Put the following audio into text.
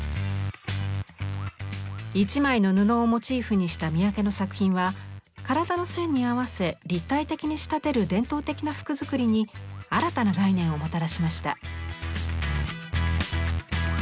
１枚の布をモチーフにした三宅の作品は体の線に合わせ立体的に仕立てる伝統的な服作りに新たな概念をもたらしました。